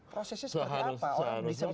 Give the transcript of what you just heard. prosesnya seperti apa